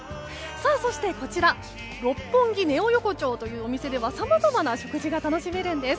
そして、こちら六本木ネオ横丁というお店ではさまざまな食事が楽しめるんです。